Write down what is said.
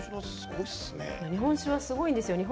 日本酒はすごいですね。